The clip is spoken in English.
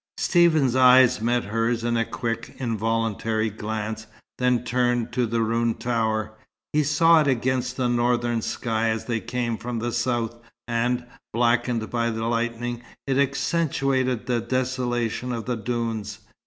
Stephen's eyes met hers in a quick, involuntary glance, then turned to the ruined tower. He saw it against the northern sky as they came from the south, and, blackened by the lightning, it accentuated the desolation of the dunes.